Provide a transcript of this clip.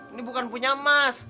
ini bukan punya mas